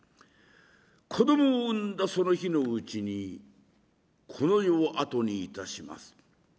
子供を産んだその日のうちにこの世を後にいたします。